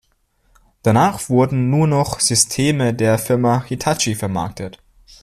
Danach wurden nur noch Systeme der Firma Hitachi vermarktet.